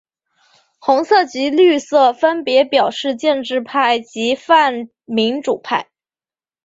红色及绿色分别表示建制派及泛民主派。